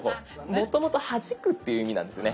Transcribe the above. もともと「はじく」っていう意味なんですよね